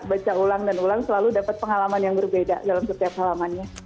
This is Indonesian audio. baca ulang dan ulang selalu dapat pengalaman yang berbeda dalam setiap halamannya